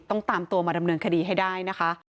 ตามตัวมาดำเนินคดีให้ได้นะคะ